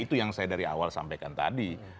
itu yang saya dari awal sampaikan tadi